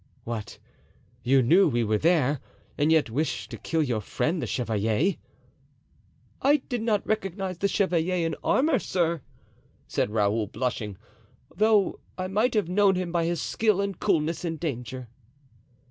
"What! you knew we were there and yet wished to kill your friend the chevalier?" "I did not recognize the chevalier in armor, sir!" said Raoul, blushing; "though I might have known him by his skill and coolness in danger."